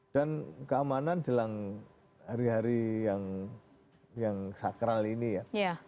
dan keamanan dalam hari hari yang sakral ini ya